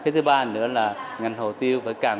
thứ ba nữa là ngành hồ tiêu phải càng